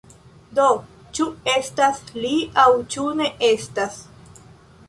Do, ĉu estas li aŭ ĉu ne estas?